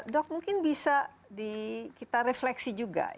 dok mungkin bisa kita refleksi juga